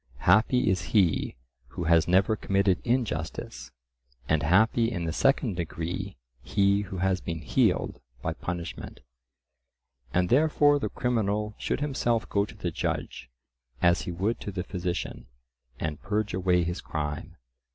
Happy is he who has never committed injustice, and happy in the second degree he who has been healed by punishment. And therefore the criminal should himself go to the judge as he would to the physician, and purge away his crime.